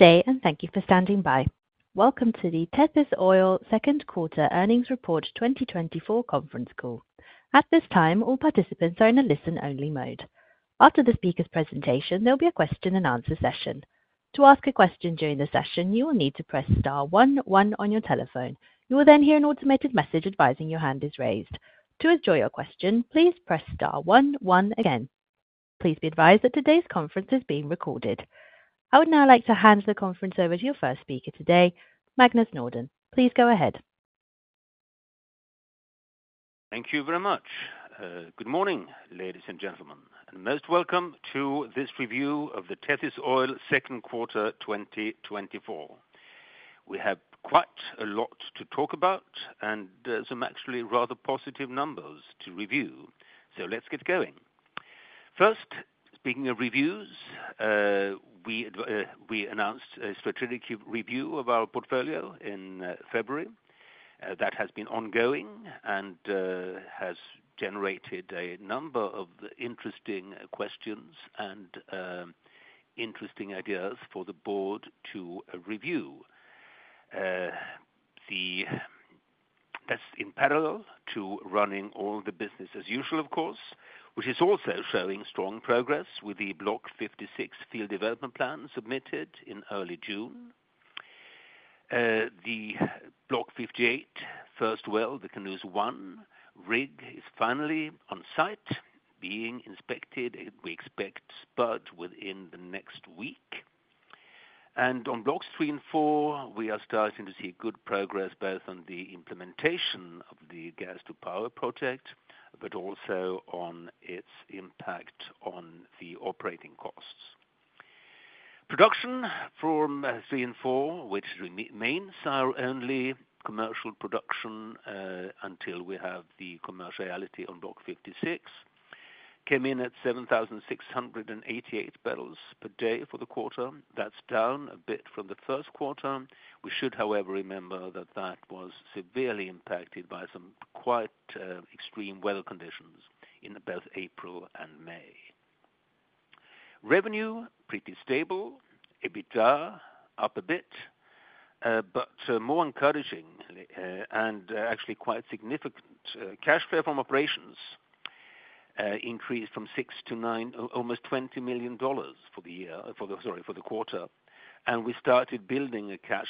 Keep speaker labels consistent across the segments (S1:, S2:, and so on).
S1: Good day, and thank you for standing by. Welcome to the Tethys Oil second quarter earnings report 2024 conference call. At this time, all participants are in a listen-only mode. After the speaker's presentation, there'll be a question and answer session. To ask a question during the session, you will need to press star one one on your telephone. You will then hear an automated message advising your hand is raised. To withdraw your question, please press star one one again. Please be advised that today's conference is being recorded. I would now like to hand the conference over to your first speaker today, Magnus Nordin. Please go ahead.
S2: Thank you very much. Good morning, ladies and gentlemen, and most welcome to this review of the Tethys Oil second quarter 2024. We have quite a lot to talk about and, some actually rather positive numbers to review. So let's get going. First, speaking of reviews, we announced a strategic review of our portfolio in February, that has been ongoing and, has generated a number of interesting questions and, interesting ideas for the board to review. That's in parallel to running all the business as usual, of course, which is also showing strong progress with the Block 56 field development plan submitted in early June. The Block 58 first well, the Kunooz-1 rig is finally on site, being inspected, we expect, but within the next week. On Blocks 3 and 4, we are starting to see good progress both on the implementation of the Gas to Power project, but also on its impact on the operating costs. Production from Block 3 and 4, which remains our only commercial production, until we have the commerciality on Block 56, came in at 7,688 barrels per day for the quarter. That's down a bit from the first quarter. We should, however, remember that that was severely impacted by some quite extreme weather conditions in both April and May. Revenue, pretty stable. EBITDA, up a bit, but more encouraging, and actually quite significant, cash flow from operations, increased from $6 million to $9 million, almost $20 million, sorry, for the quarter. We started building cash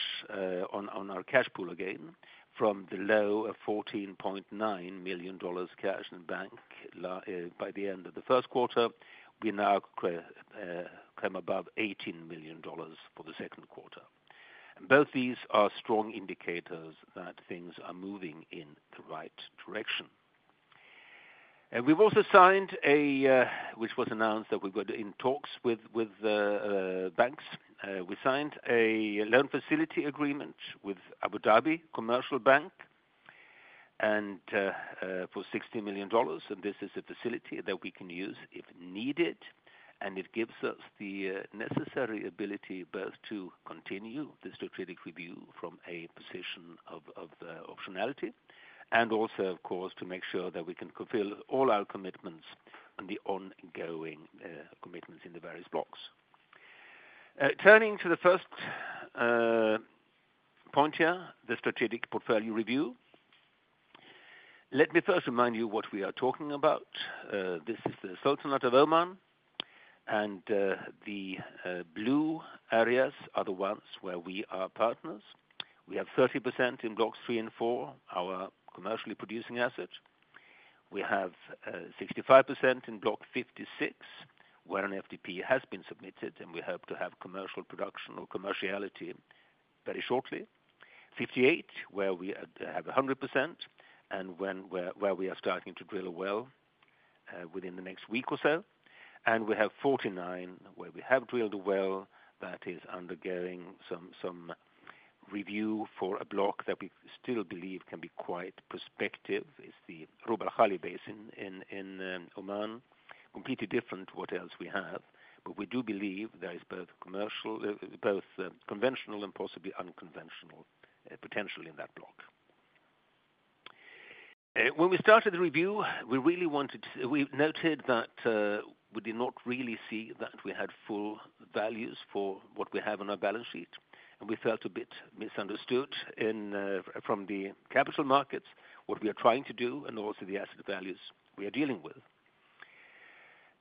S2: on our cash pool again, from the low of $14.9 million cash in bank by the end of the first quarter. We now climb above $18 million for the second quarter. Both these are strong indicators that things are moving in the right direction. And we've also signed a, which was announced that we were in talks with, with, banks. We signed a loan facility agreement with Abu Dhabi Commercial Bank, and for $60 million, and this is a facility that we can use if needed, and it gives us the necessary ability both to continue the strategic review from a position of optionality, and also, of course, to make sure that we can fulfill all our commitments and the ongoing commitments in the various blocks. Turning to the first point here, the strategic portfolio review. Let me first remind you what we are talking about. This is the Sultanate of Oman, and the blue areas are the ones where we are partners. We have 30% in Block 3 and Block 4, our commercially producing assets. We have 65% in Block 56, where an FDP has been submitted, and we hope to have commercial production or commerciality very shortly. Block 58, where we have 100%, and where we are starting to drill a well within the next week or so. And we have Block 49, where we have drilled a well that is undergoing some review for a block that we still believe can be quite prospective, is the Rub al Khali basin in Oman. Completely different to what else we have, but we do believe there is both commercial both conventional and possibly unconventional potential in that block. When we started the review, we noted that we did not really see that we had full values for what we have on our balance sheet, and we felt a bit misunderstood in, from the capital markets, what we are trying to do, and also the asset values we are dealing with.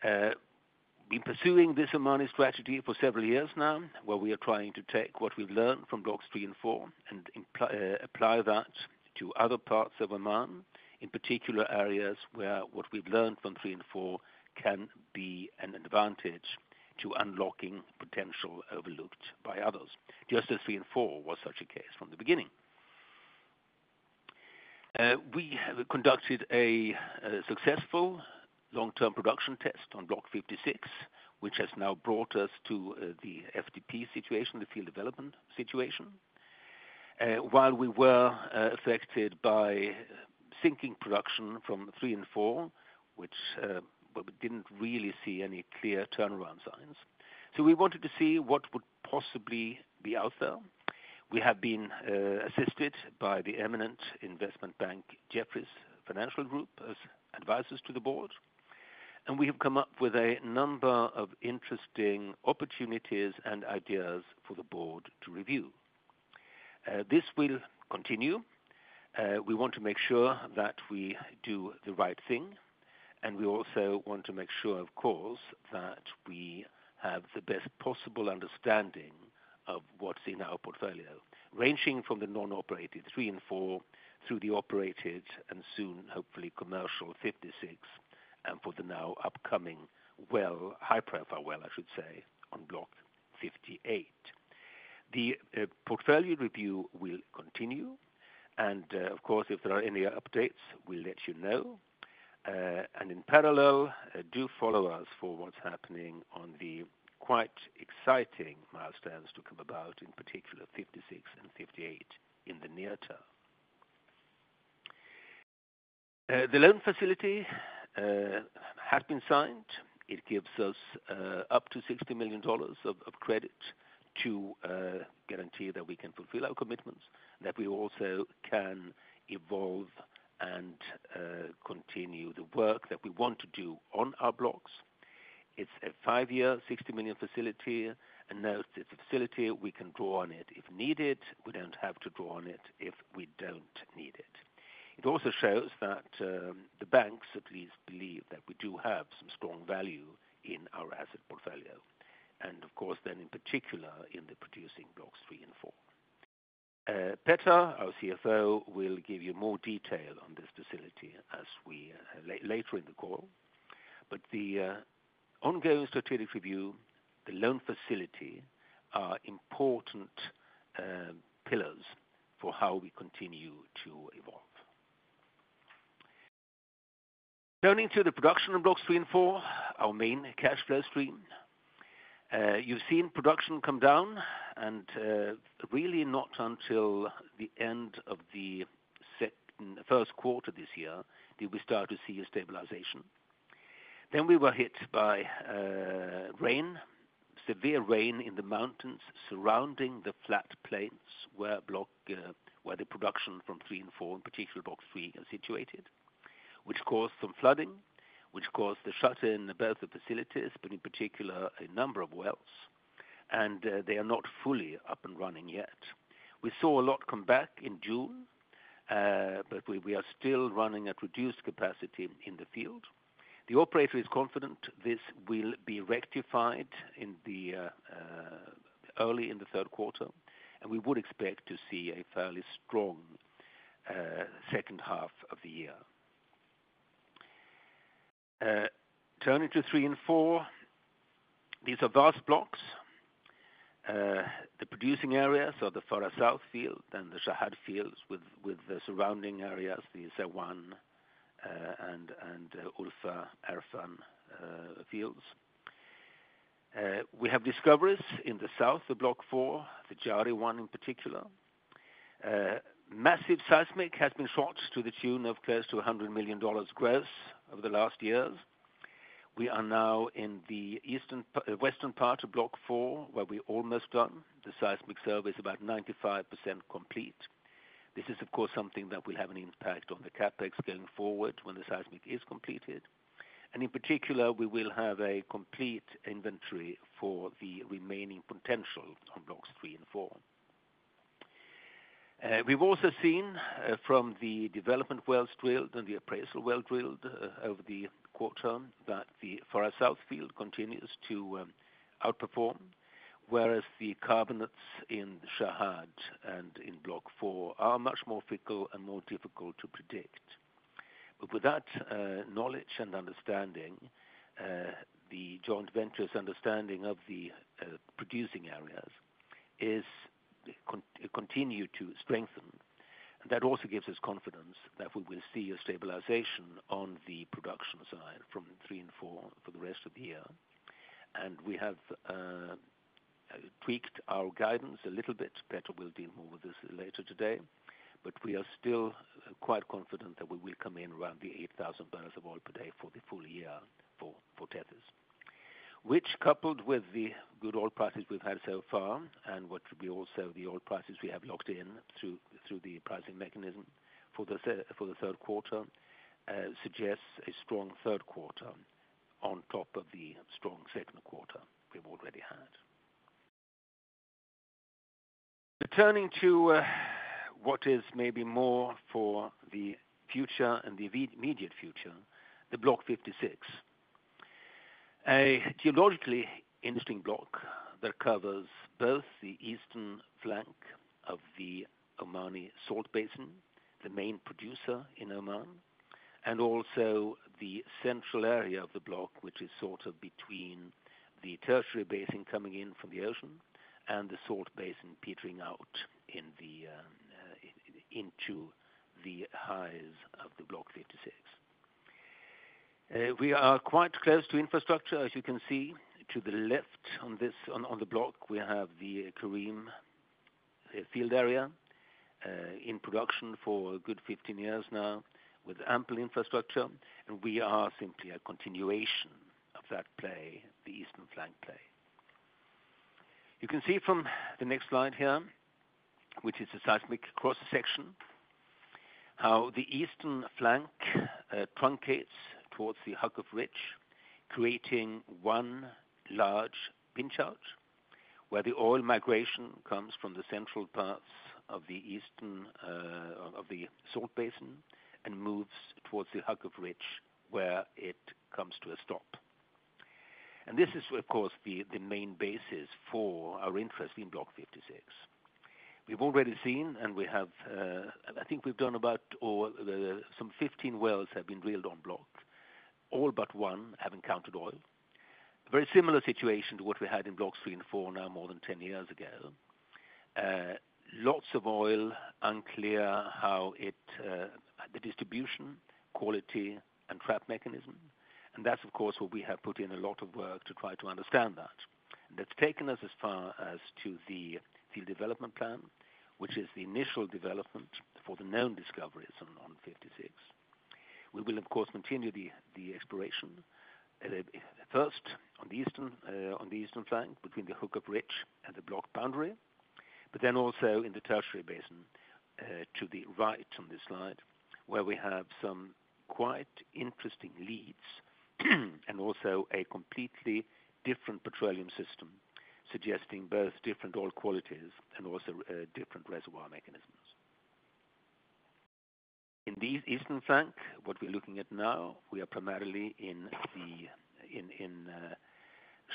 S2: Been pursuing this Oman strategy for several years now, where we are trying to take what we've learned from Blocks 3 and 4, and apply that to other parts of Oman, in particular areas where what we've learned from Blocks 3 and 4 can be an advantage to unlocking potential overlooked by others, just as Blocks 3 and 4 was such a case from the beginning. We have conducted a successful long-term production test on Block 56, which has now brought us to the FDP situation, the field development situation. While we were affected by sinking production from Blocks 3 and 4, which but we didn't really see any clear turnaround signs. So we wanted to see what would possibly be out there. We have been assisted by the eminent investment bank, Jefferies Financial Group, as advisors to the board... We have come up with a number of interesting opportunities and ideas for the board to review. This will continue. We want to make sure that we do the right thing, and we also want to make sure, of course, that we have the best possible understanding of what's in our portfolio, ranging from the non-operated Blocks 3 and 4, through the operated and soon, hopefully commercial 56, and for the now upcoming well, high-profile well, I should say, on Block 58. The portfolio review will continue, and, of course, if there are any updates, we'll let you know. And in parallel, do follow us for what's happening on the quite exciting milestones to come about, in particular Blocks 56 and 58 in the near term. The loan facility has been signed. It gives us up to $60 million of credit to guarantee that we can fulfill our commitments, that we also can evolve and continue the work that we want to do on our blocks. It's a five-year, $60 million facility, and now it's a facility we can draw on it if needed. We don't have to draw on it if we don't need it. It also shows that the banks at least believe that we do have some strong value in our asset portfolio, and of course, then in particular in the producing Blocks 3 and 4. Petter, our CFO, will give you more detail on this facility as we later in the call, but the ongoing strategic review, the loan facility, are important pillars for how we continue to evolve. Turning to the production of Blocks 3 and 4, our main cash flow stream. You've seen production come down, and really not until the end of the first quarter this year did we start to see a stabilization. Then we were hit by rain, severe rain in the mountains surrounding the flat plains, where the production from Blocks 3 and 4, in particular Block 3, are situated. Which caused some flooding, which caused the shut-in of both the facilities, but in particular a number of wells, and they are not fully up and running yet. We saw a lot come back in June, but we are still running at reduced capacity in the field. The operator is confident this will be rectified in the early in the third quarter, and we would expect to see a fairly strong second half of the year. Turning to Blocks 3 and 4, these are vast blocks. The producing areas of the Farha South field and the Shahd fields with the surrounding areas, the Saiwan and Ulfa Erfan fields. We have discoveries in the south of Block 4, the Jari-1 in particular. Massive seismic has been shot to the tune of close to $100 million gross over the last years. We are now in the western part of Block 4, where we're almost done. The seismic survey is about 95% complete. This is, of course, something that will have an impact on the CapEx going forward when the seismic is completed. And in particular, we will have a complete inventory for the remaining potential on Blocks 3 and 4. We've also seen, from the development wells drilled and the appraisal wells drilled over the quarter, that the Farha South field continues to outperform, whereas the carbonates in Shahd and in Block 4 are much more fickle and more difficult to predict. But with that, knowledge and understanding, the joint venture's understanding of the producing areas continues to strengthen. And that also gives us confidence that we will see a stabilization on the production side from Blocks 3 and 4 for the rest of the year. And we have tweaked our guidance a little bit. Petter will deal more with this later today, but we are still quite confident that we will come in around 8,000 barrels of oil per day for the full year for Tethys. Which, coupled with the good oil prices we've had so far, and what will be also the oil prices we have locked in through the pricing mechanism for the third quarter, suggests a strong third quarter on top of the strong second quarter we've already had. Turning to what is maybe more for the future and the immediate future, the Block 56. A geologically interesting block that covers both the eastern flank of the Omani Salt Basin, the main producer in Oman, and also the central area of the block, which is sort of between the Tertiary Basin coming in from the ocean and the Salt Basin petering out into the highs of Block 56. We are quite close to infrastructure, as you can see. To the left on this, the block, we have the Karim field area in production for a good 15 years now, with ample infrastructure, and we are simply a continuation of that play, the Eastern Flank Play. You can see from the next slide here, which is a seismic cross section, how the eastern flank truncates towards the Huqf Ridge, creating one large pinch out, where the oil migration comes from the central parts of the eastern of the salt basin, and moves towards the Huqf Ridge, where it comes to a stop. This is, of course, the main basis for our interest in Block 56. We've already seen, and we have, I think we've done about or the, some 15 wells have been drilled on Block. All but one have encountered oil. Very similar situation to what we had in Blocks 3 and 4, now more than 10 years ago. Lots of oil, unclear how it, the distribution, quality, and trap mechanism, and that's, of course, what we have put in a lot of work to try to understand that. That's taken us as far as to the field development plan, which is the initial development for the known discoveries on Block 56. We will, of course, continue the exploration, first on the eastern flank, between the Huqf Ridge and the block boundary, but then also in the Tertiary Basin, to the right on this slide, where we have some quite interesting leads, and also a completely different petroleum system, suggesting both different oil qualities and also different reservoir mechanisms. In the eastern flank, what we're looking at now, we are primarily in the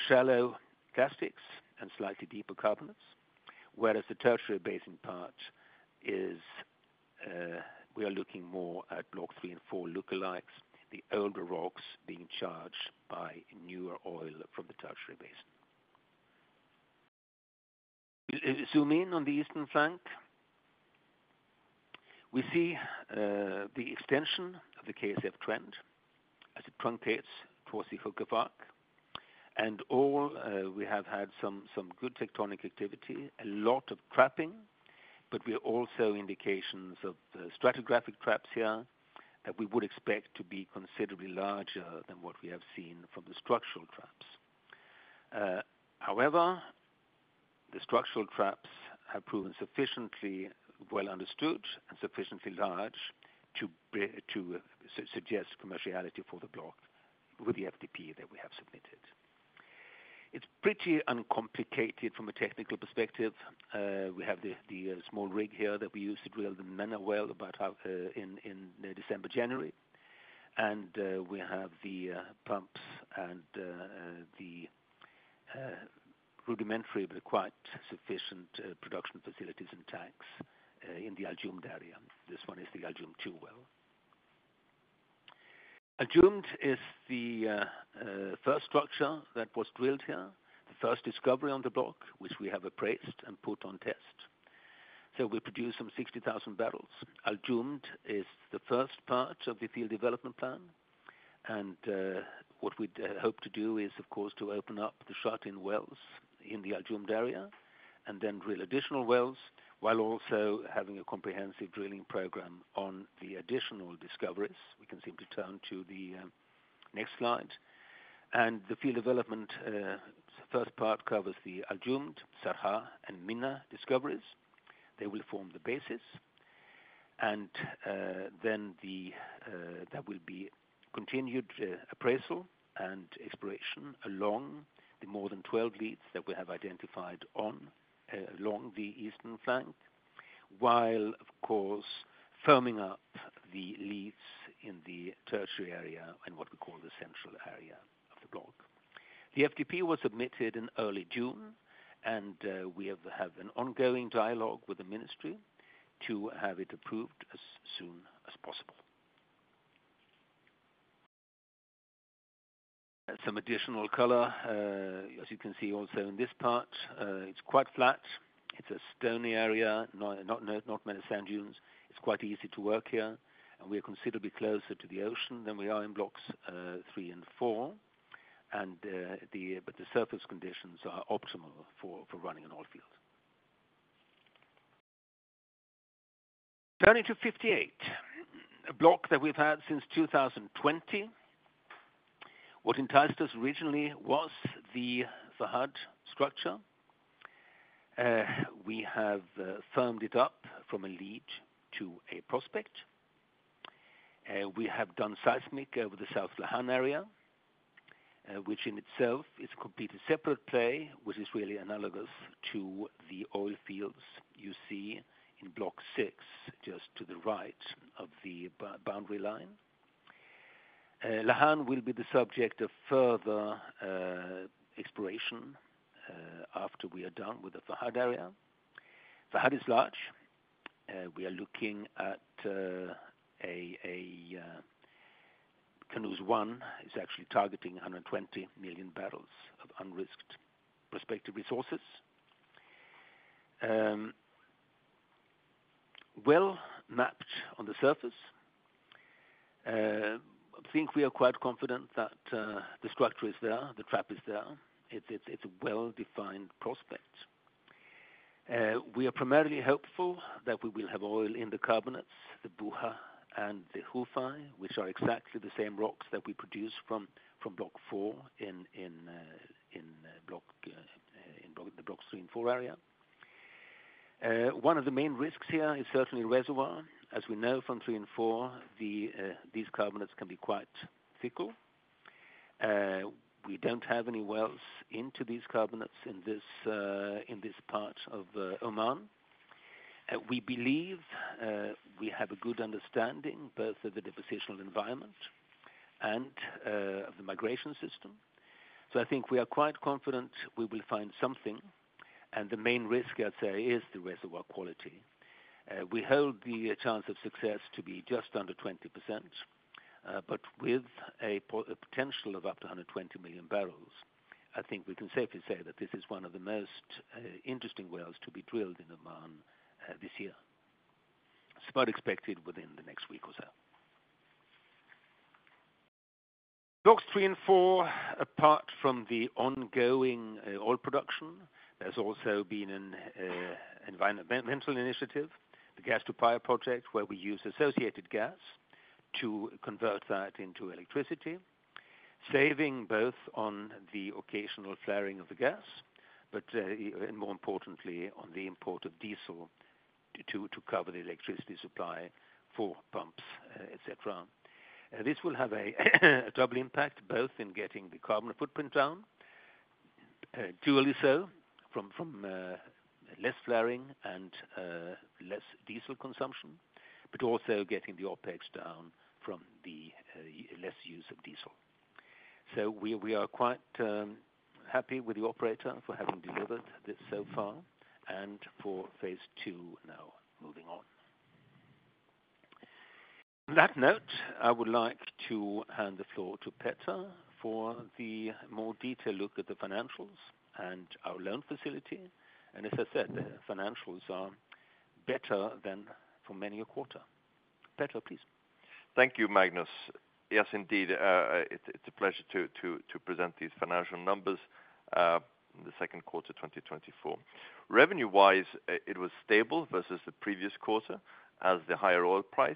S2: shallow calcites and slightly deeper carbonates, whereas the Tertiary Basin part is, we are looking more at Block 3 and 4 lookalikes, the older rocks being charged by newer oil from the Tertiary Basin. Zoom in on the eastern flank. We see the extension of the KSF trend as it truncates towards the Huqf Ridge. We have had some good tectonic activity, a lot of trapping, but we are also indications of the stratigraphic traps here, that we would expect to be considerably larger than what we have seen from the structural traps. However, the structural traps have proven sufficiently well understood and sufficiently large to suggest commerciality for the block with the FDP that we have submitted. It's pretty uncomplicated from a technical perspective. We have the small rig here that we use to drill the Menna well about in December, January. And we have the pumps and the rudimentary, but quite sufficient, production facilities and tanks in the Al Jumd area. This one is the Al Jumd 2 well. Al Jumd is the first structure that was drilled here, the first discovery on the block, which we have appraised and put on test. So we produce some 60,000 barrels. Al Jumd is the first part of the field development plan, and what we'd hope to do is, of course, to open up the shut-in wells in the Al Jumd area, and then drill additional wells, while also having a comprehensive drilling program on the additional discoveries. We can simply turn to the next slide. And the field development first part covers the Al Jumd, Sarha, and Menna discoveries. They will form the basis. And then there will be continued appraisal and exploration along the more than 12 leads that we have identified on along the eastern flank. While, of course, firming up the leads in the Tertiary area, and what we call the central area of the block. The FDP was submitted in early June, and we have an ongoing dialogue with the ministry to have it approved as soon as possible. Some additional color, as you can see also in this part, it's quite flat. It's a stony area, not many sand dunes. It's quite easy to work here, and we are considerably closer to the ocean than we are in blocks 3 and 4. But the surface conditions are optimal for running an oil field. Turning to Block 58, a block that we've had since 2020. What enticed us originally was the Fahd structure. We have firmed it up from a lead to a prospect. We have done seismic over the South Lahan area, which in itself is completely separate play, which is really analogous to the oil fields you see in Block 6, just to the right of the boundary line. Lahan will be the subject of further exploration after we are done with the Fahd area. Fahd is large. We are looking at a Kunooz-1 is actually targeting 120 million barrels of unrisked prospective resources. Well mapped on the surface. I think we are quite confident that the structure is there, the trap is there. It's a well-defined prospect. We are primarily hopeful that we will have oil in the carbonates, the Buah and the Khufai, which are exactly the same rocks that we produce from Block 4 in the Blocks 3 and 4 area. One of the main risks here is certainly reservoir. As we know from Blocks 3 and 4, these carbonates can be quite fickle. We don't have any wells into these carbonates in this part of Oman. We believe we have a good understanding both of the depositional environment and of the migration system. So I think we are quite confident we will find something, and the main risk, I'd say, is the reservoir quality. We hold the chance of success to be just under 20%, but with a potential of up to 120 million barrels, I think we can safely say that this is one of the most interesting wells to be drilled in Oman this year. Spot expected within the next week or so. Blocks 3 and 4, apart from the ongoing oil production, there's also been an environmental initiative, the Gas to Power project, where we use associated gas to convert that into electricity, saving both on the occasional flaring of the gas, but and more importantly, on the import of diesel to cover the electricity supply for pumps, et cetera. This will have a double impact, both in getting the carbon footprint down, dually so, from less flaring and less diesel consumption, but also getting the OpEx down from the less use of diesel. So we are quite happy with the operator for having delivered this so far and for phase two now moving on. On that note, I would like to hand the floor to Petter for the more detailed look at the financials and our loan facility. As I said, the financials are better than for many a quarter. Petter, please.
S3: Thank you, Magnus. Yes, indeed, it's a pleasure to present these financial numbers in the second quarter 2024. Revenue-wise, it was stable versus the previous quarter as the higher oil price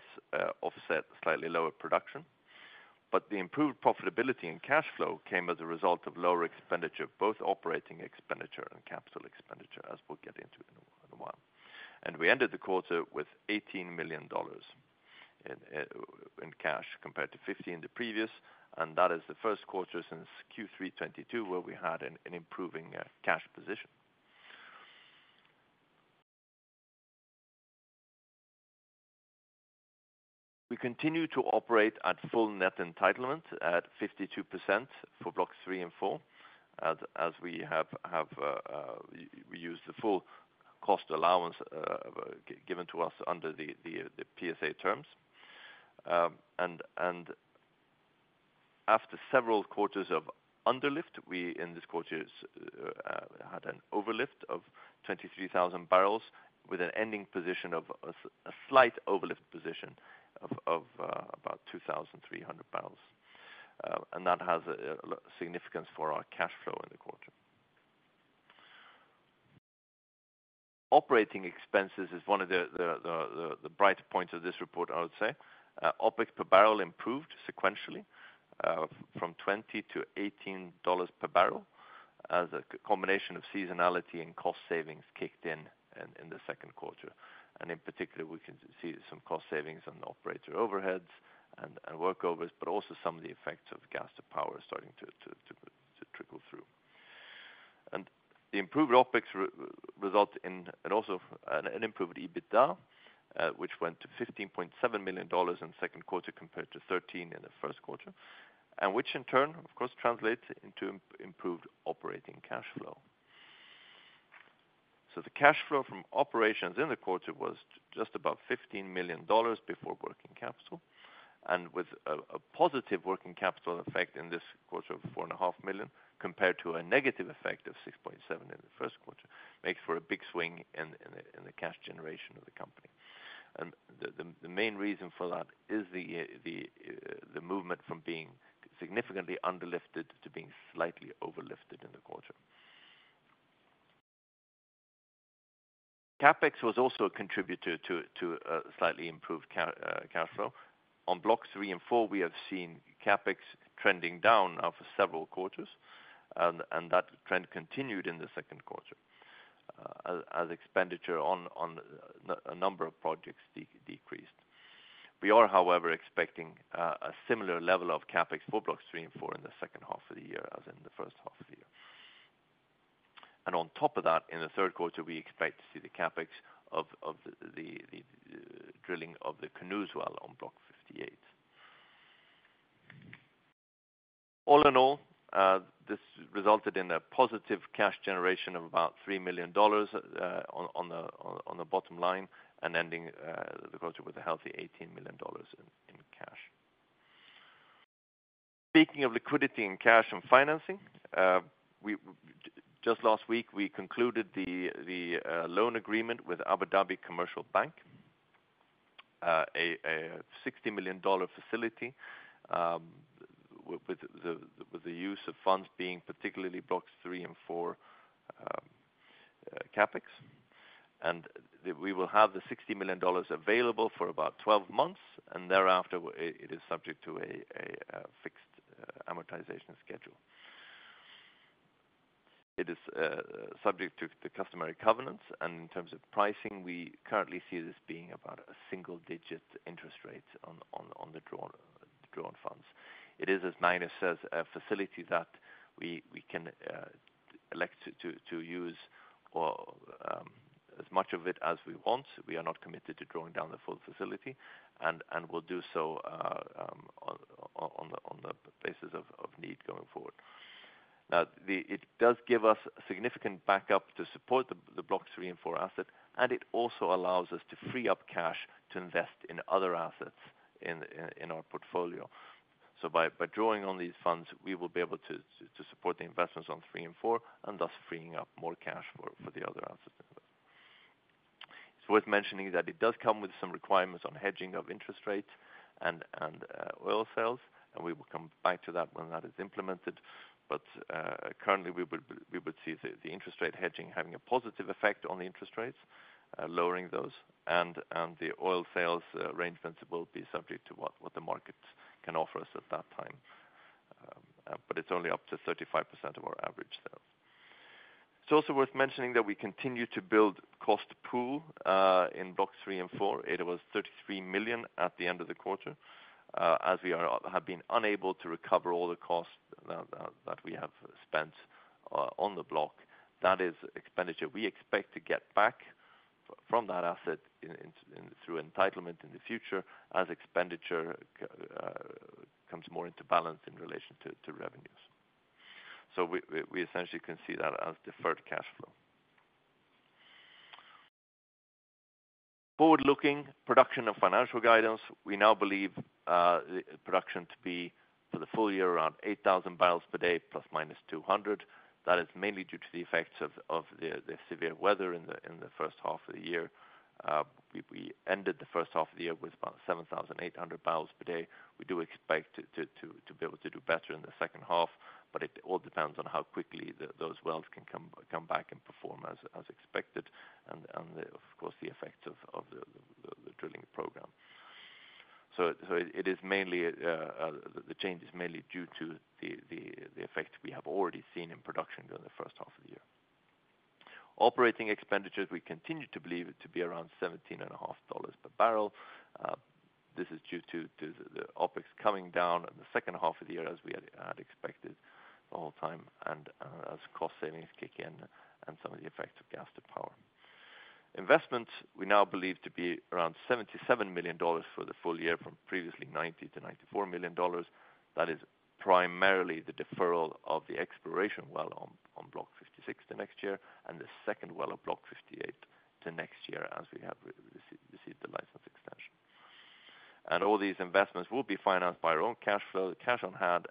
S3: offset slightly lower production. But the improved profitability and cash flow came as a result of lower expenditure, both operating expenditure and capital expenditure, as we'll get into in a while. We ended the quarter with $18 million in cash, compared to $50 million in the previous, and that is the first quarter since Q3 2022, where we had an improving cash position. We continue to operate at full net entitlement at 52% for Blocks 3 and 4, as we use the full cost allowance given to us under the PSA terms. After several quarters of underlift, we in this quarter had an overlift of 23,000 barrels, with an ending position of a slight overlift position of about 2,300 barrels. That has a significance for our cash flow in the quarter. Operating expenses is one of the bright points of this report, I would say. OpEx per barrel improved sequentially from $20 to $18 per barrel, as a combination of seasonality and cost savings kicked in in the second quarter. In particular, we can see some cost savings on the operator overheads and workovers, but also some of the effects of Gas to Power starting to trickle through. The improved OpEx result in, and also an improved EBITDA, which went to $15.7 million in the second quarter, compared to $13 million in the first quarter, and which in turn, of course, translates into improved operating cash flow. So the cash flow from operations in the quarter was just about $15 million before working capital, and with a positive working capital effect in this quarter of $4.5 million, compared to a negative effect of $6.7 million in the first quarter, makes for a big swing in the cash generation of the company. And the main reason for that is the movement from being significantly underlifted to being slightly overlifted in the quarter. CapEx was also a contributor to slightly improved cash flow. On Block 3 and 4, we have seen CapEx trending down now for several quarters, and that trend continued in the second quarter, as expenditure on a number of projects decreased. We are, however, expecting a similar level of CapEx for Blocks 3 and 4 in the second half of the year as in the first half of the year. On top of that, in the third quarter, we expect to see the CapEx of the drilling of the Kunooz well on Block 58. All in all, this resulted in a positive cash generation of about $3 million on the bottom line, and ending the quarter with a healthy $18 million in cash. Speaking of liquidity and cash and financing, we just last week concluded the loan agreement with Abu Dhabi Commercial Bank, a $60 million facility, with the use of funds being particularly Blocks 3 and 4, CapEx. And we will have the $60 million available for about 12 months, and thereafter, it is subject to a fixed amortization schedule. It is subject to the customary covenants, and in terms of pricing, we currently see this being about a single-digit interest rate on the drawn funds. It is, as Magnus says, a facility that we can elect to use or as much of it as we want. We are not committed to drawing down the full facility, and we'll do so on the basis of need going forward. Now, it does give us significant backup to support the Blocks 3 and 4 asset, and it also allows us to free up cash to invest in other assets in our portfolio. So by drawing on these funds, we will be able to support the investments on Blocks 3 and 4, and thus freeing up more cash for the other assets. It's worth mentioning that it does come with some requirements on hedging of interest rates and oil sales, and we will come back to that when that is implemented. But currently, we would see the interest rate hedging having a positive effect on the interest rates, lowering those, and the oil sales arrangements will be subject to what the market can offer us at that time. But it's only up to 35% of our average sales. It's also worth mentioning that we continue to build cost pool in Blocks 3 and 4. It was $33 million at the end of the quarter, as we have been unable to recover all the costs that we have spent on the block. That is expenditure we expect to get back from that asset in, through entitlement in the future as expenditure comes more into balance in relation to revenues. So we essentially can see that as deferred cash flow. Forward-looking production of financial guidance, we now believe the production to be, for the full year, around 8,000 barrels per day ±200. That is mainly due to the effects of the severe weather in the first half of the year. We ended the first half of the year with about 7,800 barrels per day. We do expect to be able to do better in the second half, but it all depends on how quickly those wells can come back and perform as expected, and of course, the effect of the drilling program. So it is mainly the change is mainly due to the effect we have already seen in production during the first half of the year. Operating expenditures, we continue to believe it to be around $17.5 per barrel. This is due to the OpEx coming down in the second half of the year, as we had expected the whole time, and as cost savings kick in and some of the effects of gas to power. Investments, we now believe to be around $77 million for the full year from previously $90-$94 million. That is primarily the deferral of the exploration well on Block 56 to next year, and the second well of Block 58 to next year, as we have received the license extension. And all these investments will be financed by our own cash flow, the cash on hand,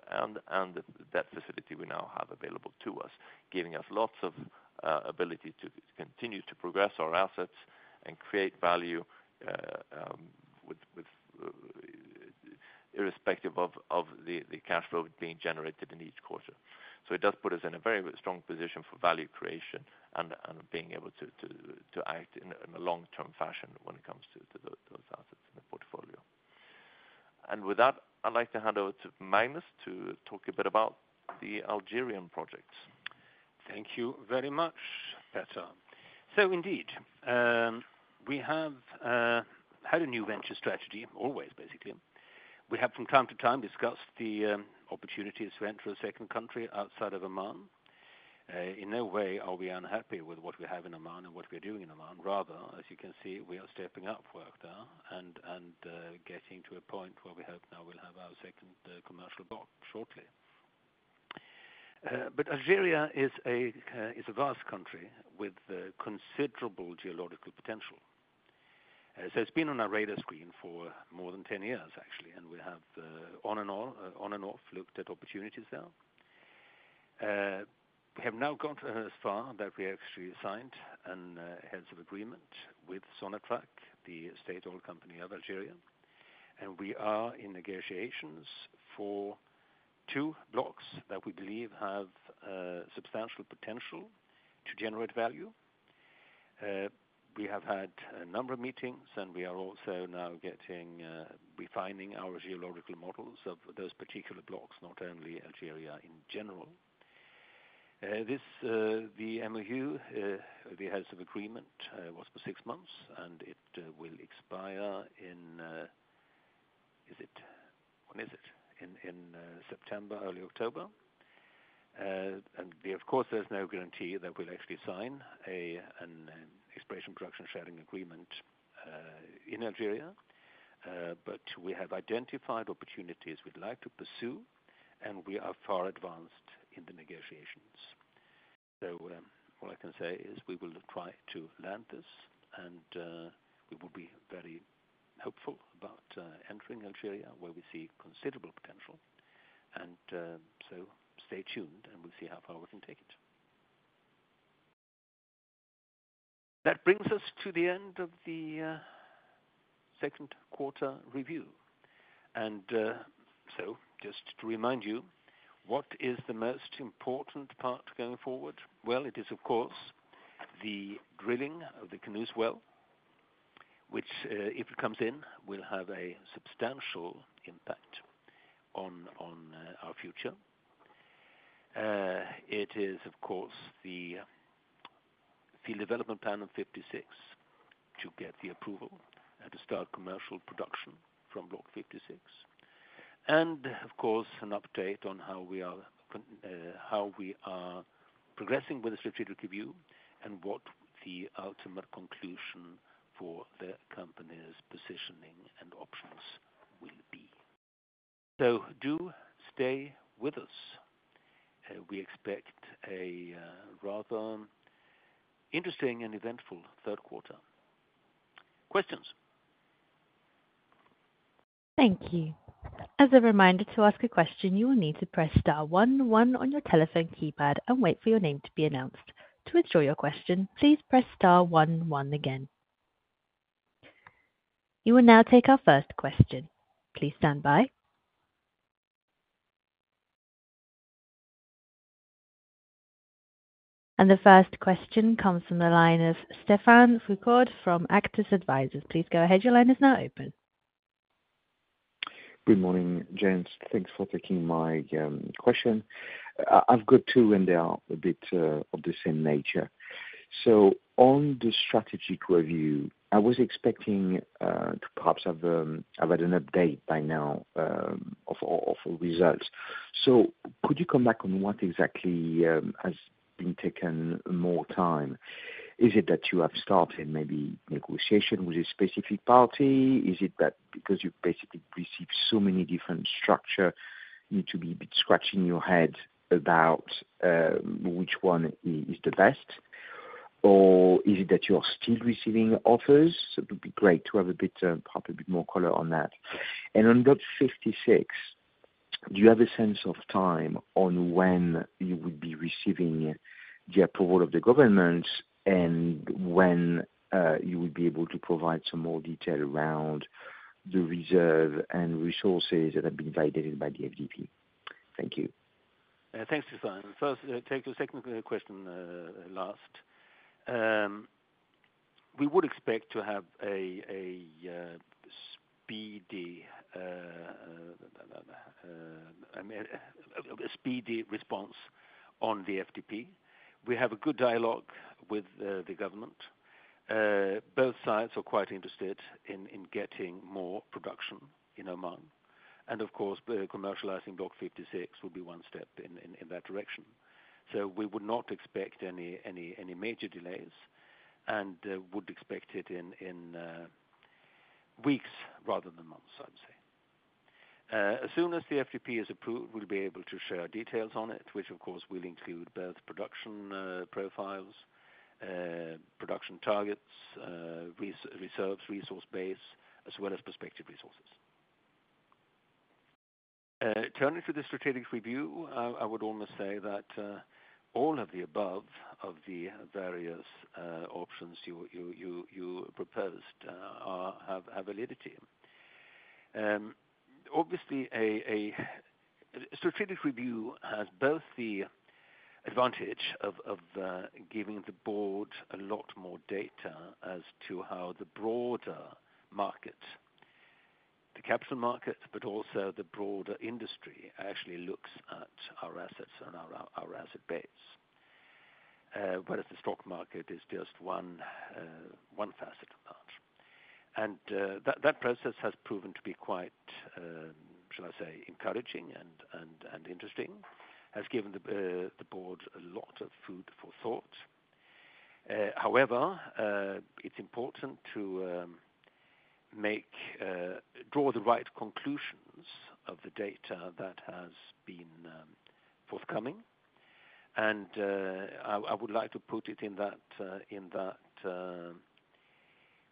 S3: and that facility we now have available to us, giving us lots of ability to continue to progress our assets and create value, with irrespective of the cash flow being generated in each quarter. So it does put us in a very strong position for value creation and being able to act in a long-term fashion when it comes to those assets in the portfolio. And with that, I'd like to hand over to Magnus to talk a bit about the Algerian projects.
S2: Thank you very much, Petter. So indeed, we have had a new venture strategy, always, basically. We have, from time to time, discussed the opportunities to enter a second country outside of Oman. In no way are we unhappy with what we have in Oman and what we're doing in Oman. Rather, as you can see, we are stepping up work there and getting to a point where we hope now we'll have our second commercial block shortly. But Algeria is a vast country with considerable geological potential. So it's been on our radar screen for more than 10 years, actually, and we have, on and off, looked at opportunities there. We have now gone as far that we actually signed an Heads of Agreement with Sonatrach, the state oil company of Algeria, and we are in negotiations for two blocks that we believe have substantial potential to generate value. We have had a number of meetings, and we are also now getting refining our geological models of those particular blocks, not only Algeria in general. This the MOU, the Heads of Agreement, was for six months, and it will expire in September, early October. And of course, there's no guarantee that we'll actually sign an exploration production sharing agreement in Algeria. But we have identified opportunities we'd like to pursue, and we are far advanced in the negotiations. So, what I can say is we will try to land this, and, we will be very hopeful about, entering Algeria, where we see considerable potential. So stay tuned, and we'll see how far we can take it. That brings us to the end of the, second quarter review. So just to remind you, what is the most important part going forward? Well, it is, of course, the drilling of the Kunooz-1 well, which, if it comes in, will have a substantial impact on our future. It is, of course, the field development plan of Block 56 to get the approval and to start commercial production from Block 56. Of course, an update on how we are progressing with the strategic review and what the ultimate conclusion for the company's positioning and options will be. So do stay with us. We expect a rather interesting and eventful third quarter. Questions?
S1: Thank you. As a reminder, to ask a question, you will need to press star one one on your telephone keypad and wait for your name to be announced. To withdraw your question, please press star one one again. You will now take our first question. Please stand by. The first question comes from the line of Stéphane Foucaud from Auctus Advisors. Please go ahead. Your line is now open.
S4: Good morning, James. Thanks for taking my question. I've got two, and they are a bit of the same nature. So on the strategic review, I was expecting to perhaps have had an update by now of results. So could you come back on what exactly has been taken more time? Is it that you have started maybe negotiation with a specific party? Is it that because you've basically received so many different structure, you need to be scratching your head about which one is the best? Or is it that you're still receiving offers? It would be great to have a bit, probably a bit more color on that. On Block 56, do you have a sense of time on when you will be receiving the approval of the government, and when you will be able to provide some more detail around the reserve and resources that have been validated by the FDP? Thank you.
S2: Thanks, Stéphane. First, take the second question last. We would expect to have a speedy response on the FDP. We have a good dialogue with the government. Both sides are quite interested in getting more production in Oman, and of course, the commercializing Block 56 will be one step in that direction. So we would not expect any major delays and would expect it in weeks rather than months, I'd say. As soon as the FDP is approved, we'll be able to share details on it, which of course, will include both production profiles, production targets, reserves, resource base, as well as prospective resources. Turning to the strategic review, I would almost say that all of the above, of the various options you proposed, have validity. Obviously, a strategic review has both the advantage of giving the board a lot more data as to how the broader market, the capital market, but also the broader industry, actually looks at our assets and our asset base. Whereas the stock market is just one facet of that. And that process has proven to be quite, shall I say, encouraging and interesting, has given the board a lot of food for thought. However, it's important to draw the right conclusions of the data that has been forthcoming, and I would like to put it in that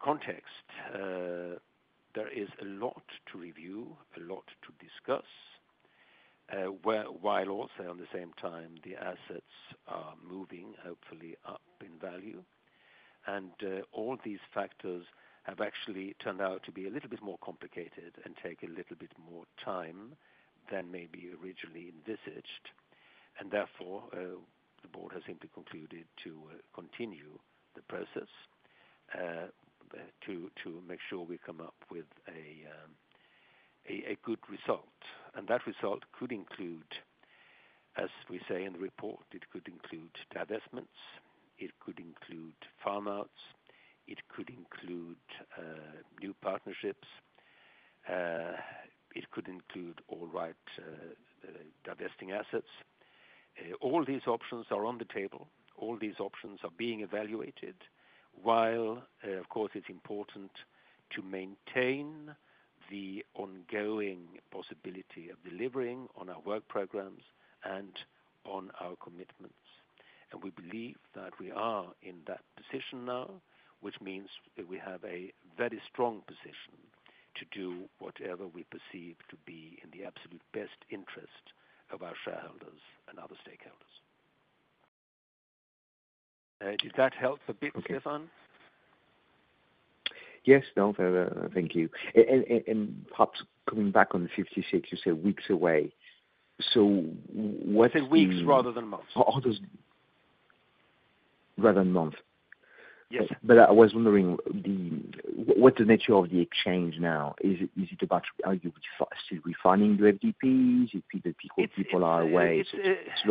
S2: context. There is a lot to review, a lot to discuss, while also, at the same time, the assets are moving, hopefully up in value. All these factors have actually turned out to be a little bit more complicated and take a little bit more time than maybe originally envisaged. Therefore, the board has simply concluded to continue the process, to make sure we come up with a good result. And that result could include, as we say in the report, it could include divestments, it could include farm outs, it could include new partnerships, it could include all right, divesting assets. All these options are on the table. All these options are being evaluated, while, of course, it's important to maintain the ongoing possibility of delivering on our work programs and on our commitments. And we believe that we are in that position now, which means that we have a very strong position to do whatever we perceive to be in the absolute best interest of our shareholders and other stakeholders. Did that help a bit, Stéphane?
S4: Yes. No, very, thank you. And perhaps coming back on Block 56, you said weeks away. So what's the-
S2: I said weeks rather than months.
S4: Oh, those, rather than months?
S2: Yes.
S4: But I was wondering what the nature of the exchange now? Is it about are you still refining the FDPs? Is it people are away?
S2: It's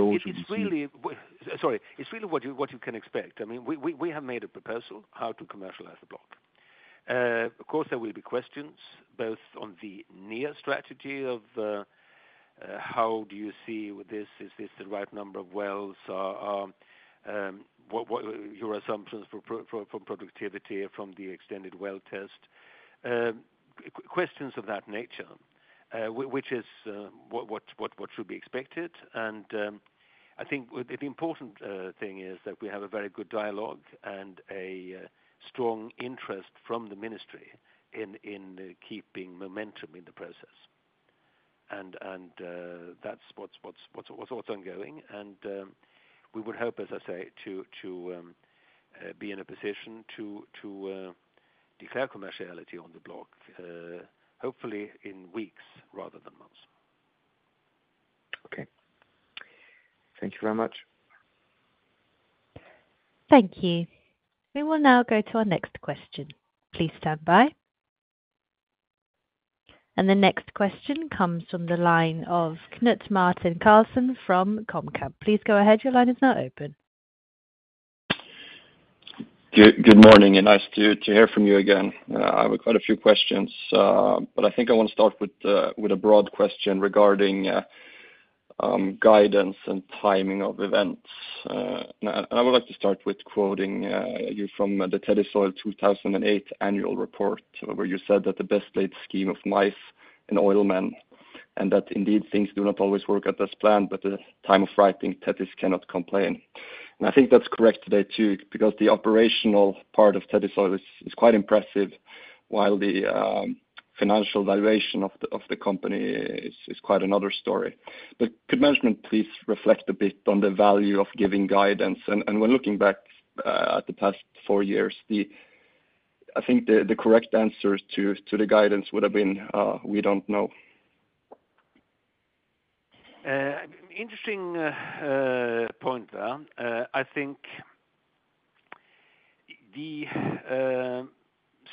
S2: really. Sorry, it's really what you can expect. I mean, we have made a proposal how to commercialize the block. Of course, there will be questions both on the near strategy of how do you see this? Is this the right number of wells? What are your assumptions for productivity from the extended well test? Questions of that nature, which is what should be expected. And I think the important thing is that we have a very good dialogue and a strong interest from the ministry in keeping momentum in the process. And that's what's ongoing. And, we would hope, as I say, to be in a position to declare commerciality on the block, hopefully in weeks rather than months.
S4: Okay. Thank you very much.
S1: Thank you. We will now go to our next question. Please stand by. The next question comes from the line of Knut Martin Carlsen from SpareBank 1 Markets. Please go ahead. Your line is now open.
S5: Good morning, and nice to hear from you again. I have quite a few questions, but I think I want to start with a broad question regarding guidance and timing of events. And I would like to start with quoting you from the Tethys Oil 2008 annual report, where you said that the best laid scheme of mice and oil men, and that indeed, things do not always work out as planned, but at the time of writing, Tethys cannot complain. And I think that's correct today, too, because the operational part of Tethys Oil is quite impressive, while the financial valuation of the company is quite another story. But could management please reflect a bit on the value of giving guidance? And when looking back at the past four years, I think the correct answers to the guidance would have been, we don't know.
S2: Interesting point there. I think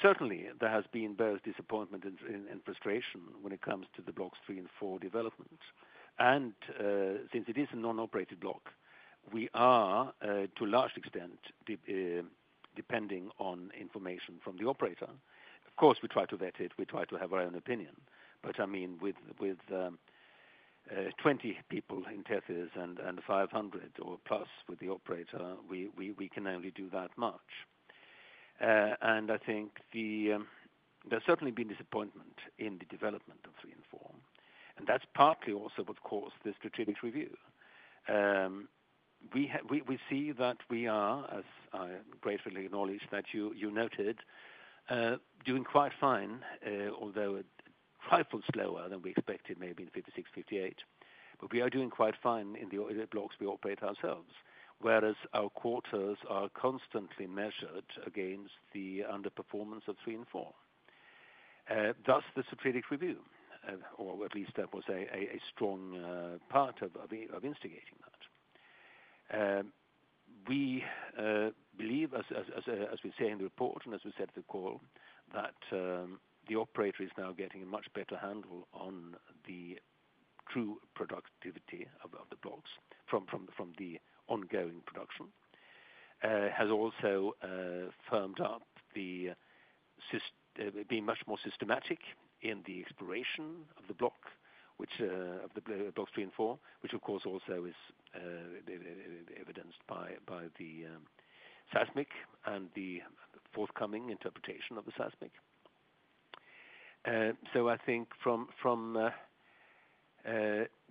S2: certainly there has been both disappointment and frustration when it comes to the Blocks 3 and 4 developments. Since it is a non-operated block, we are to a large extent depending on information from the operator. Of course, we try to vet it, we try to have our own opinion, but I mean, with 20 people in Tethys and 500 or plus with the operator, we can only do that much. I think there's certainly been disappointment in the development of Blocks 3 and 4, and that's partly also, of course, the strategic review. We see that we are, as I gratefully acknowledge, that you noted, doing quite fine, although trifle slower than we expected, maybe in Block 56, 58. But we are doing quite fine in the blocks we operate ourselves, whereas our quarters are constantly measured against the underperformance of Blocks 3 and 4. Thus the strategic review, or at least that was a strong part of instigating that. We believe as we say in the report, and as we said in the call, that the operator is now getting a much better handle on the true productivity of the blocks from the ongoing production. has also firmed up, being much more systematic in the exploration of the block, which of the Blocks 3 and 4, which of course also is evidenced by the seismic and the forthcoming interpretation of the seismic. So I think from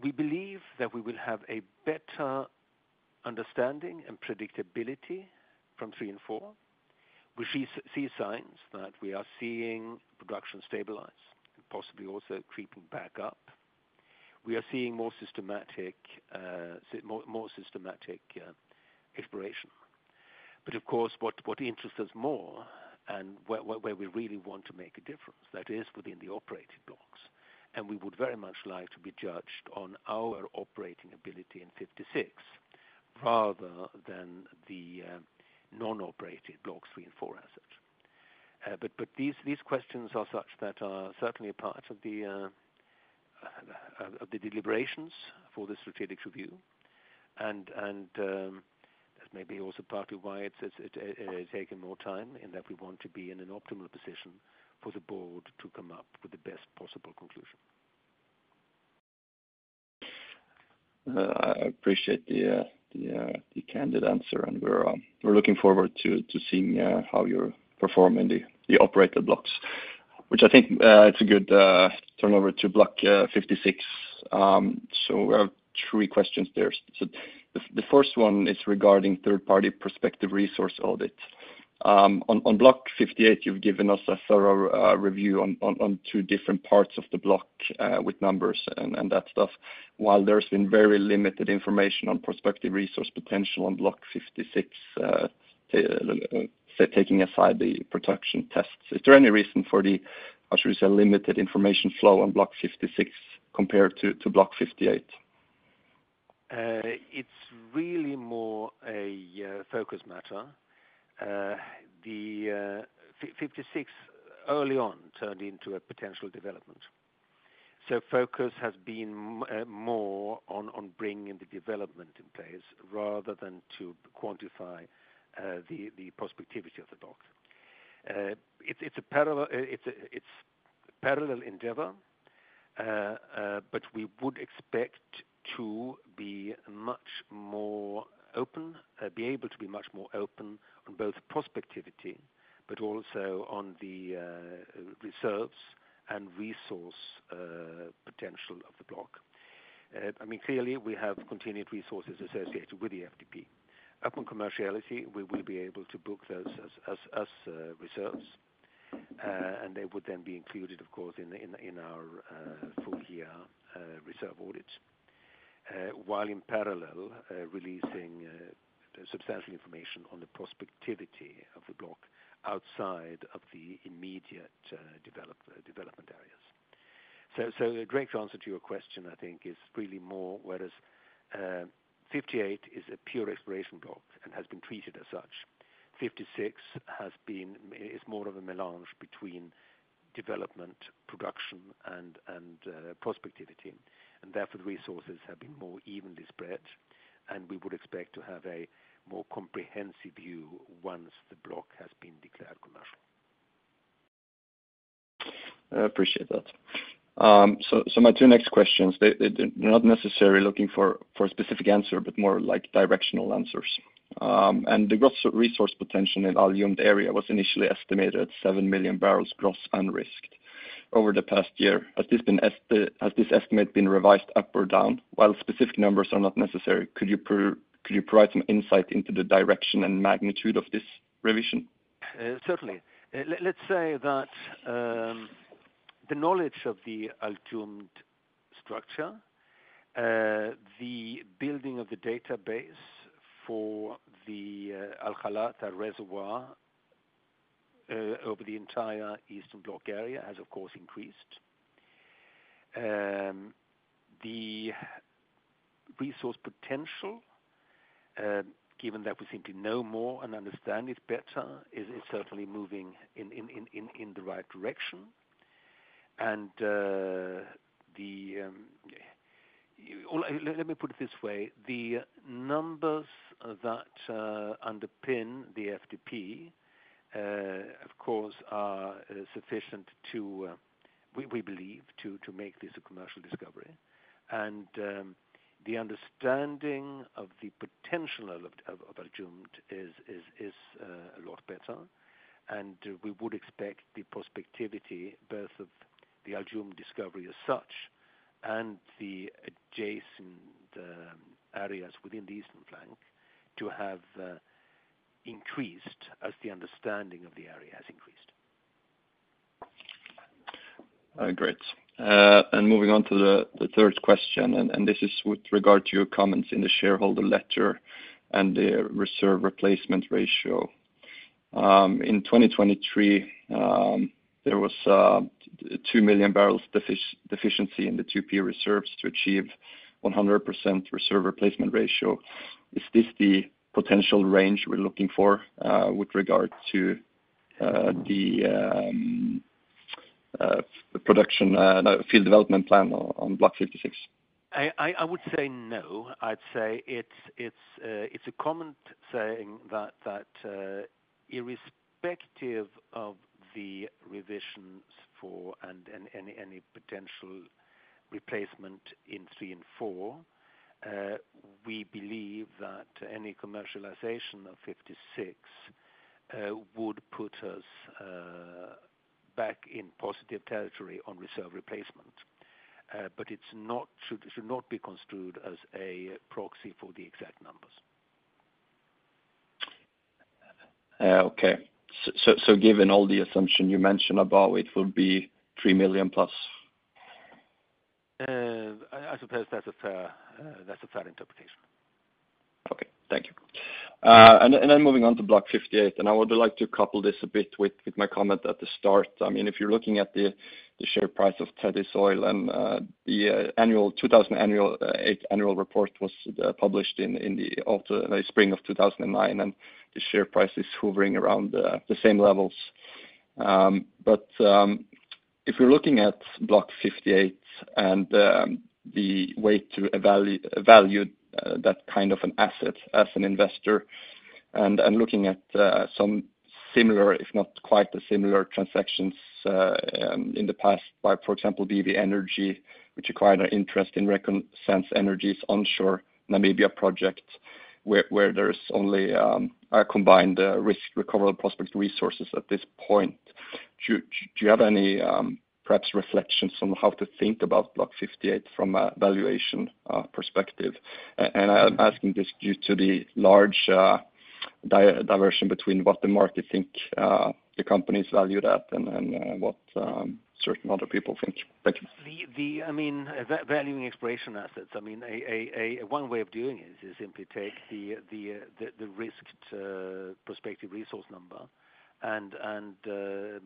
S2: we believe that we will have a better understanding and predictability from Blocks 3 and 4. We see signs that we are seeing production stabilize and possibly also creeping back up. We are seeing more systematic exploration. But of course, what interests us more and where we really want to make a difference, that is within the operated blocks, and we would very much like to be judged on our operating ability in Block 56, rather than the non-operated blocks Blocks 3 and 4 assets. But these questions are such that are certainly a part of the deliberations for the strategic review. That may be also part of why it's taking more time, and that we want to be in an optimal position for the board to come up with the best possible conclusion.
S5: I appreciate the candid answer, and we're looking forward to seeing how you're performing the operator blocks. Which I think it's a good turnover to Block 56. So I have three questions there. So the first one is regarding third party prospective resource audits. On Block 58, you've given us a thorough review on two different parts of the block with numbers and that stuff. While there's been very limited information on prospective resource potential on Block 56, taking aside the production tests, is there any reason for the, I should say, limited information flow on Block 56 compared to Block 58?
S2: It's really more a focus matter. The Block 56 early on turned into a potential development. So focus has been more on bringing the development in place rather than to quantify the prospectivity of the block. It's a parallel endeavor, but we would expect to be much more open, be able to be much more open on both prospectivity, but also on the reserves and resource potential of the block. I mean, clearly we have contingent resources associated with the FDP. Upon commerciality, we will be able to book those as reserves, and they would then be included, of course, in our full year reserve audits. While in parallel, releasing substantial information on the prospectivity of the block outside of the immediate development areas. So, a great answer to your question, I think is really more whereas, Block 58 is a pure exploration block and has been treated as such. Block 56 has been, is more of a melange between development, production, and prospectivity, and therefore, the resources have been more evenly spread, and we would expect to have a more comprehensive view once the block has been declared commercial.
S5: I appreciate that. So my two next questions, they not necessarily looking for a specific answer, but more like directional answers. And the gross resource potential in Al Jumd area was initially estimated at 7 million barrels gross, unrisked. Over the past year, has this estimate been revised up or down? While specific numbers are not necessary, could you provide some insight into the direction and magnitude of this revision?
S2: Certainly. Let's say that the knowledge of the Al Jumd structure, the building of the database for the Al Khlata reservoir, over the entire eastern block area has, of course, increased. The resource potential, given that we seem to know more and understand it better, is certainly moving in the right direction. And let me put it this way, the numbers that underpin the FDP, of course, are sufficient to, we believe, to make this a commercial discovery. The understanding of the potential of Al Jumd is a lot better, and we would expect the prospectivity, both of the Al Jumd discovery as such, and the adjacent areas within the eastern flank, to have increased as the understanding of the area has increased.
S5: Great. And moving on to the third question, and this is with regard to your comments in the shareholder letter and the reserve replacement ratio. In 2023, there was 2 million barrels deficiency in the 2P reserves to achieve 100% reserve replacement ratio. Is this the potential range we're looking for with regard to the production, no, field development plan on Block 56?
S2: I would say no. I'd say it's a common saying that, irrespective of the revisions for Blocks 3 and 4 and any potential replacement in Blocks 3 and 4, we believe that any commercialization of Block 56 would put us back in positive territory on reserve replacement. But it should not be construed as a proxy for the exact numbers.
S5: Okay. So, given all the assumption you mentioned about it would be 3 million plus?
S2: I suppose that's a fair, that's a fair interpretation.
S5: Okay, thank you. And then moving on to Block 58, and I would like to couple this a bit with my comment at the start. I mean, if you're looking at the share price of Tethys Oil and the annual 2000 annual eighth annual report was published in the late spring of 2009, and the share price is hovering around the same levels. But if you're looking at Block 58 and the way to value that kind of an asset as an investor, and looking at some similar, if not quite similar transactions in the past by, for example, BW Energy, which acquired an interest in Reconnaissance Energy Africa's onshore Namibia project... where there's only a combined risked recoverable prospective resources at this point. Do you have any, perhaps reflections on how to think about Block 58 from a valuation perspective? I'm asking this due to the large diversion between what the market think the company's valued at and what certain other people think. Thank you.
S2: Valuing exploration assets, I mean, one way of doing it is simply take the risked prospective resource number and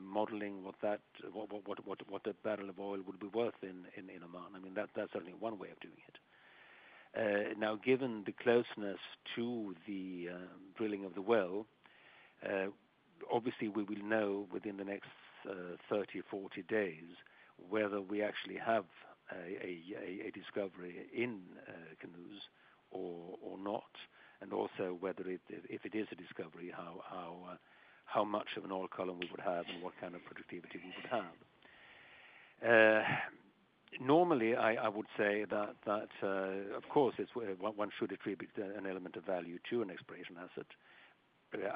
S2: modeling what that... what the barrel of oil would be worth in Oman. I mean, that's only one way of doing it. Now, given the closeness to the drilling of the well, obviously we will know within the next 30 or 40 days whether we actually have a discovery in Kunooz or not, and also whether it, if it is a discovery, how much of an oil column we would have and what kind of productivity we would have. Normally, I would say that of course, it's one should attribute an element of value to an exploration asset,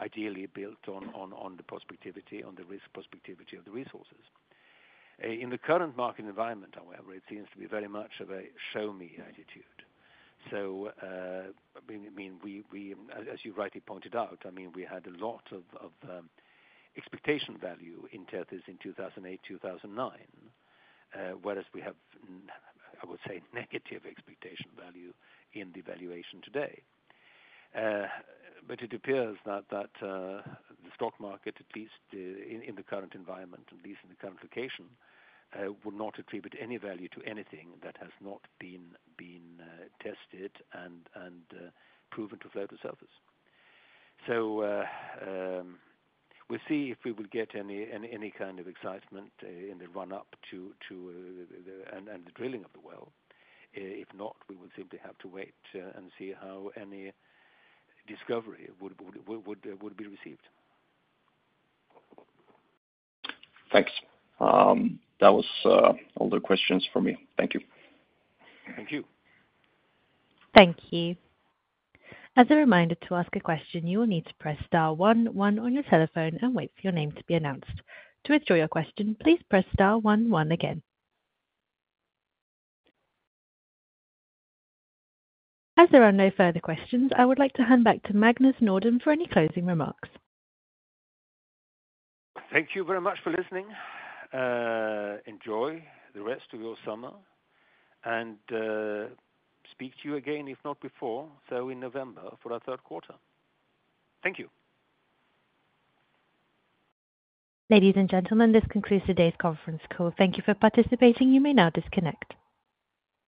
S2: ideally built on the prospectivity, on the risk prospectivity of the resources. In the current market environment, however, it seems to be very much of a show me attitude. So, I mean, we, as you rightly pointed out, I mean, we had a lot of expectation value in Tethys in 2008, 2009, whereas we have, I would say, negative expectation value in the valuation today. But it appears that the stock market, at least in the current environment, at least in the current location, would not attribute any value to anything that has not been tested and proven to flow to surface. So, we'll see if we will get any kind of excitement in the run-up to the drilling of the well. If not, we will simply have to wait and see how any discovery would be received.
S5: Thanks. That was all the questions for me. Thank you.
S2: Thank you.
S1: Thank you. As a reminder, to ask a question, you will need to press star one one on your telephone and wait for your name to be announced. To withdraw your question, please press star one one again. As there are no further questions, I would like to hand back to Magnus Nordin for any closing remarks.
S2: Thank you very much for listening. Enjoy the rest of your summer, and speak to you again, if not before, so in November for our third quarter. Thank you.
S1: Ladies and gentlemen, this concludes today's conference call. Thank you for participating. You may now disconnect.